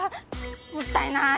もったいない！